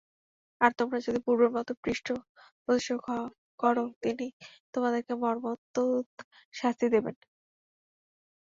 আর তোমরা যদি পূর্বের মত পৃষ্ঠপ্রদর্শন কর, তিনি তোমাদেরকে মর্মন্তুদ শাস্তি দেবেন।